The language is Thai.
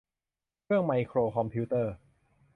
เครื่องไมโครคอมพิวเตอร์